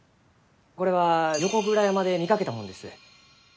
これは横倉山で見かけたもんです。